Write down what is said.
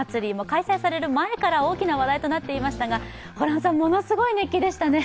開催される前から大きな話題となっていましたが、ホランさん、ものすごい熱気でしたね。